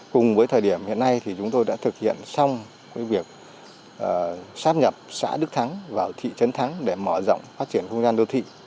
cùng với thời điểm hiện nay thì chúng tôi đã thực hiện xong việc sắp nhập xã đức thắng vào thị trấn thắng để mở rộng phát triển không gian đô thị